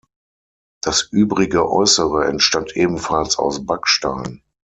Das übrige Äußere entstand ebenfalls aus Backstein.